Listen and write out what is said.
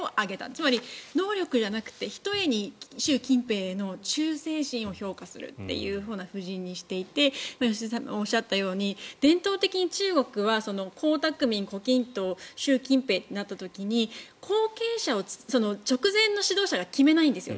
つまり能力じゃなくてひとえに習近平への忠誠心を評価するという布陣にしていて良純さんがおっしゃったように伝統に中国は胡錦涛習近平となった時に後継者を直前の指導者が決めないんですよ。